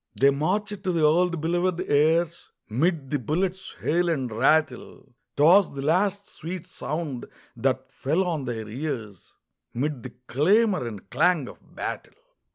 They marched to the old belovèd airs 'Mid the bullets' hail and rattle; 'Twas the last sweet sound that fell on their ears 'Mid the clamor and clang of battle.